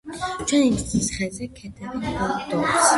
ჩვენი მსხლის ხეზე ქედანი ბუდობს.